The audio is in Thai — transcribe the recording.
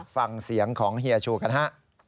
ฟังเสียงของเฮียชูกันฮะ